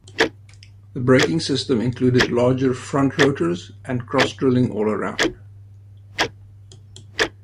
The braking system included larger front rotors and cross-drilling all around.